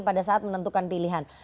pada saat menentukan pilihan